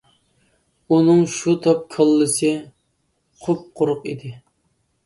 ئۇنىڭ شۇ تاپ كاللىسى قۇپقۇرۇق ئىدى.